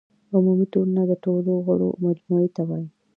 عمومي ټولنه د ټولو غړو مجموعې ته وایي.